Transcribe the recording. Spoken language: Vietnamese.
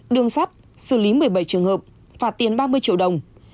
đường sắt xử lý một mươi bảy trường hợp phạt tiền ba mươi triệu đồng